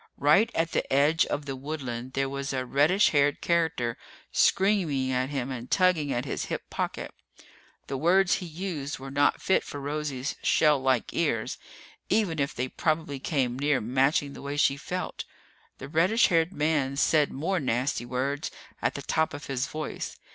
Right at the edge of the woodland, there was a reddish haired character screaming at him and tugging at his hip pocket. The words he used were not fit for Rosie's shell like ears even if they probably came near matching the way she felt. The reddish haired man said more nasty words at the top of his voice.